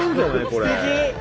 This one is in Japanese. これ。